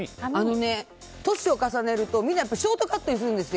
年を重ねるとみんなショートカットにするんですよ。